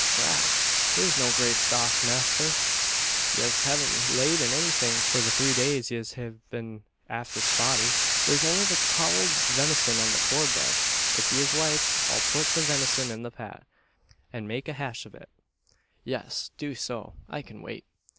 "Trath! there's no great stock, masther. Yez haven't laid in anythin' for the three days yez hiv been afther spotty. There's only the cowld venison an the corn bread. If yez like I'll phut the venison in the pat, an make a hash av it." "Yes, do so. I can wait."